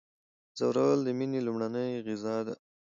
ځورول د میني لومړنۍ غذا ده.